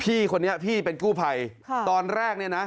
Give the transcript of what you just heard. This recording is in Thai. พี่คนนี้พี่เป็นกู่ไผ่ตอนแรกนี้นะ